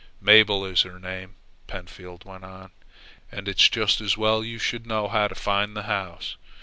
"Mabel is her name," Pentfield went on. "And it's just as well you should know how to find the house.